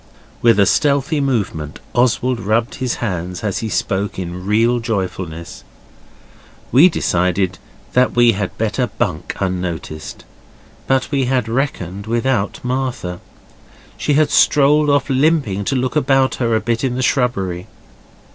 With a stealthy movement Oswald rubbed his hands as he spoke in real joyfulness. We decided that we had better bunk unnoticed. But we had reckoned without Martha. She had strolled off limping to look about her a bit in the shrubbery.